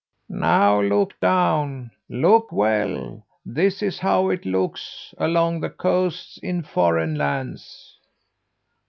"Now look down! Look well! This is how it looks along the coasts in foreign lands."